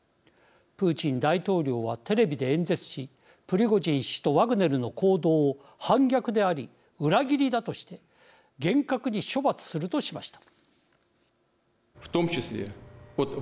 プーチン大統領はテレビで演説しプリゴジン氏とワグネルの行動を反逆であり裏切りだとして厳格に処罰するとしました。